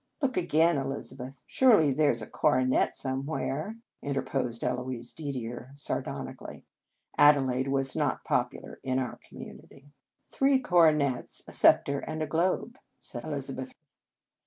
" "Look again, Elizabeth. Surely there s a coronet somewhere?" in terposed Eloise Didier sardonically. Adelaide was not popular in our com munity. " Three coronets, a sceptre, and a globe," said Elizabeth.